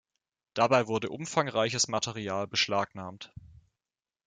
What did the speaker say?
Dabei wurde umfangreiches Material beschlagnahmt.